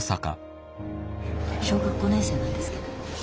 小学５年生なんですけど。